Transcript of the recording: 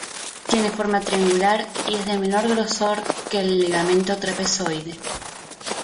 Tiene forma triangular y es de menor grosor que el ligamento trapezoide.